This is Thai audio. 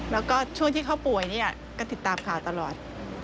แล้วก็ช่วงที่เขาป่วยเนี่ยก็ติดตามข่าวตลอด